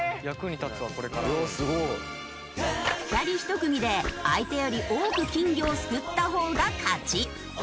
２人１組で相手より多く金魚をすくった方が勝ち。